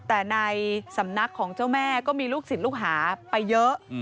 แต่ในสำนักของเจ้าแม่ก็มีลูกศิษย์ลูกหาไปเยอะ